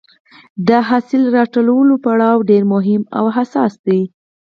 د حاصل راټولولو پړاو ډېر مهم او حساس دی.